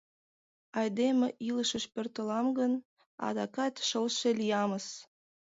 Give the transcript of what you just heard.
Айдеме илышыш пӧртылам гын, адакат шылше лиямыс.